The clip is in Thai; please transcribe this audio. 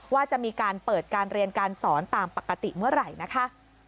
ว่าจะมีการเปิดการเรียนการสอนตามปกติเมื่อไหร่นะคะ